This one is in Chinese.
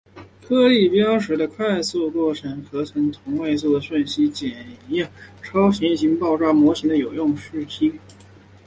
颗粒标示的快速过程核合成同位素讯息是检验超新星爆炸模型的有用讯息。